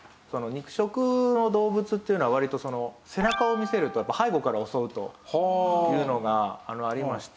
肉食の動物っていうのは割とその背中を見せると背後から襲うというのがありまして。